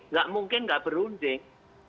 nggak mungkin nggak berunding